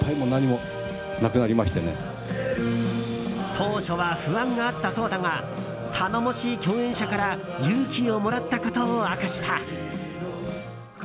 当初は不安があったそうだが頼もしい共演者から勇気をもらったことを明かした。